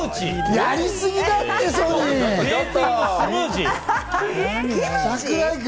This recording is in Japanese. やりすぎだって！